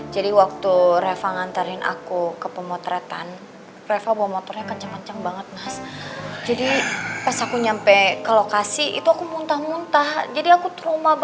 jadi aku trauma banget mas aku takut